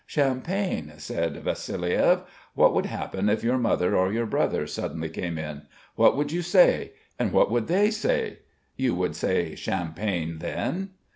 "Champagne," said Vassiliev. "What would happen if your mother or your brother suddenly came in? What would you say? And what would they say? You would say 'champagne' then."